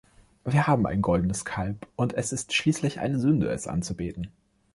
Wir haben ein goldenes Kalb und es ist schließlich eine Sünde, es anzubeten.